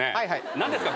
何ですか？